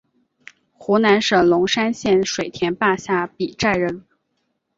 湖南省龙山县水田坝下比寨人。